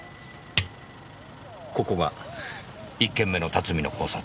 ここが１件目の辰巳の交差点。